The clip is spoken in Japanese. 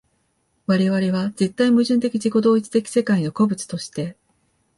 我々は絶対矛盾的自己同一的世界の個物として、